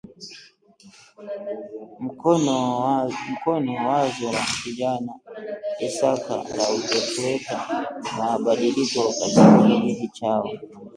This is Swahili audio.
mkono wazo la kijana Isaka la kuleta mabadiliko katika kijiji chao